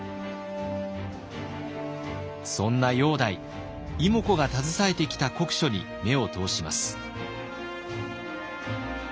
そんな煬帝妹子が携えてきた国書に目を通します。